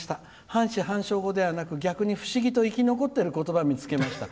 半死半生語ではなく、逆に不思議と生き残っていることばを見つけました」。